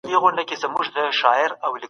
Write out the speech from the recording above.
ما تېره شپه د پښتو یو ډېر مهم سند پیدا کړی.